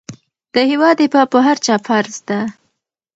د هېواد دفاع په هر چا فرض ده.